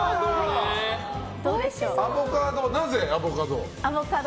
アボカド、なぜアボカド？